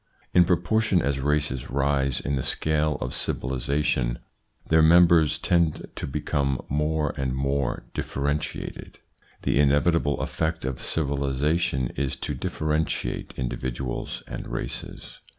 In proportion as races rise in the scale of civilisation, their members tend to become more and more differentiated. The inevitable effect of civilisation is to differentiate individuals and races.